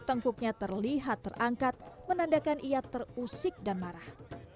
tengkuknya terlihat terangkat menandakan ia terusik dan marah